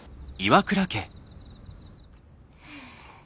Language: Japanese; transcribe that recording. はあ。